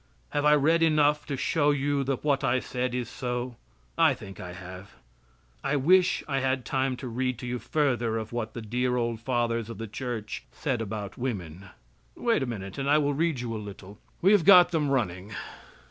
Have I read enough to show that what I said is so? I think I have. I wish I had time to read to you further of what the dear old fathers of the church said about woman wait a minute, and I will read you a little. We have got them running.